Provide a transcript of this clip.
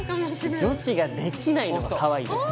女子ができないのがかわいい。